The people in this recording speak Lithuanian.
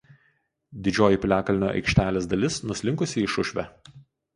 Didžioji piliakalnio aikštelės dalis nuslinkusi į Šušvę.